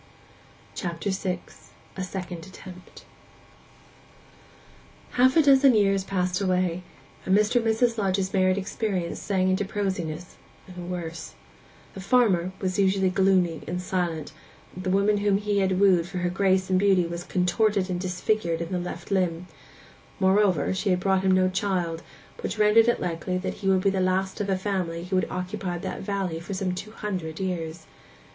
CHAPTER VI—A SECOND ATTEMPT Half a dozen years passed away, and Mr. and Mrs. Lodge's married experience sank into prosiness, and worse. The farmer was usually gloomy and silent: the woman whom he had wooed for her grace and beauty was contorted and disfigured in the left limb; moreover, she had brought him no child, which rendered it likely that he would be the last of a family who had occupied that valley for some two hundred years.